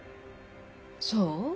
そう？